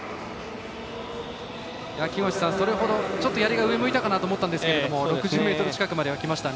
ちょっとやりが上向いたかなと思ったんですけれども６０ｍ近くまではきました。